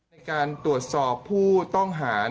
ในการตรวจสอบผู้ต้องหา